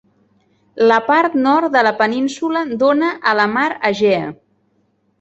La part nord de la península dóna a la mar Egea.